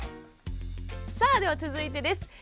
さあでは続いてです。